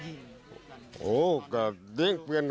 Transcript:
โหก็เละเพลิงสักเดี๋ยว